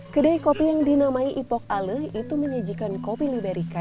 kedai kopi yang dinamai ipok ale itu menyajikan kopi liberika